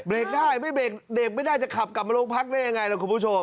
ได้ไม่เบรกเบรกไม่ได้จะขับกลับมาโรงพักได้ยังไงล่ะคุณผู้ชม